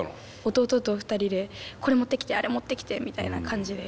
弟と２人でこれ持ってきてあれ持ってきてみたいな感じで。